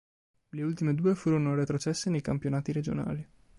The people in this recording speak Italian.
Le ultime due furono retrocesse nei campionati regionali.